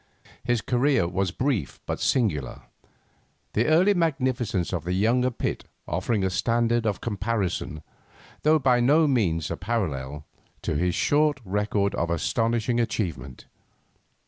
His career was brief but singular, the early magnificence of the younger Pitt offering a standard of comparison, though by no means a parallel, to his short record of astonishing achievement.